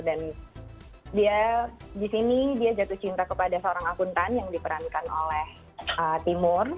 dan dia disini dia jatuh cinta kepada seorang akuntan yang diperankan oleh timur